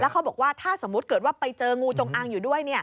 เขาบอกว่าถ้าสมมุติเกิดว่าไปเจองูจงอางอยู่ด้วย